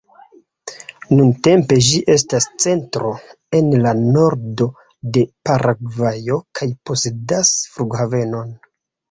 Nuntempe ĝi estas centro en la nordo de Paragvajo kaj posedas flughavenon.